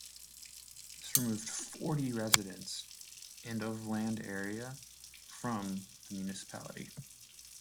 This removed forty residents and of land area from the municipality.